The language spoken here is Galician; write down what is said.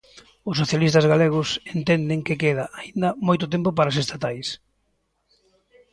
Os socialistas galegos entenden que queda, aínda, moito tempo para as estatais.